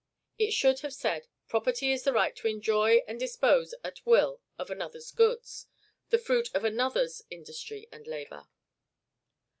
It should have said, "Property is the right to enjoy and dispose at will of another's goods, the fruit of another's industry and labor."